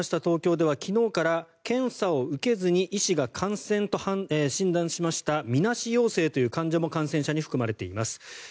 東京では昨日から、検査を受けずに医師が感染と診断しましたみなし陽性という患者も感染者に含まれています。